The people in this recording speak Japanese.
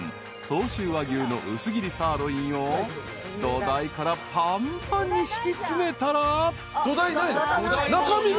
相州和牛の薄切りサーロインを土台からぱんぱんに敷き詰めたら］